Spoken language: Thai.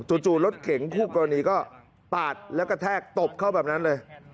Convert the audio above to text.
จู่รถเก๋งคู่กรณีก็ปาดแล้วกระแทกตบเข้าแบบนั้นเลย